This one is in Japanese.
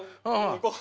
行こう。